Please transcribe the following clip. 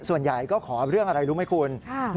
ส่วนใหญ่ก็ขอเรื่องอะไรรู้ไหมคุณ